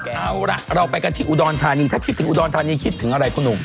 เอาล่ะเราไปกันที่อุดรธานีถ้าคิดถึงอุดรธานีคิดถึงอะไรคุณหนุ่ม